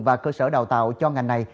và cơ sở đào tạo cho ngành này